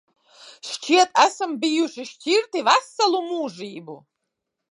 Šķiet, esam bijuši šķirti veselu mūžību.